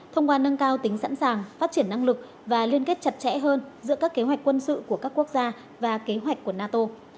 thông qua nâng cao tính sẵn sàng phát triển năng lực và liên kết chặt chẽ hơn giữa các kế hoạch quân sự của các quốc gia và kế hoạch của nato